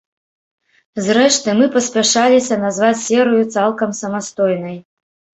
Зрэшты, мы паспяшаліся назваць серыю цалкам самастойнай.